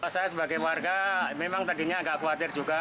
saya sebagai warga memang tadinya agak khawatir juga